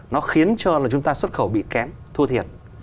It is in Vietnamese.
nó khiến cho là chúng ta xuất khẩu bị kém thua thiệt